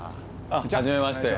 あっ初めまして。